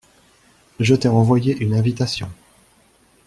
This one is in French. Je t'ai envoyé une invitation.